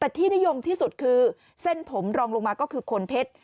แต่ที่นิยมที่สุดคือเส้นผมรองลงมาก็คือคนเพชร